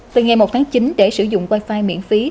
từ ngày một tháng chín để sử dụng wi fi miễn phí